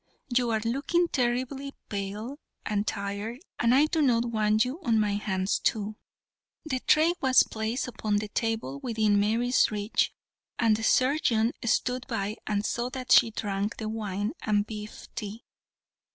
You are looking terribly pale and tired, and I do not want you on my hands too." The tray was placed upon the table within Mary's reach, and the surgeon stood by and saw that she drank the wine and beef tea.